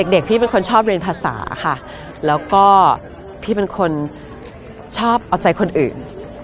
เด็กพี่เป็นคนชอบเรียนภาษาค่ะแล้วก็พี่เป็นคนชอบเอาใจคนอื่น